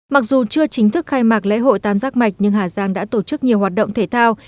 mặc dù chưa chính thức khai mạc lễ hội tam giác mạch nhưng hà giang đã tổ chức nhiều hoạt động thể thao